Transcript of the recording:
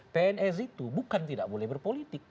pns itu bukan tidak boleh berpolitik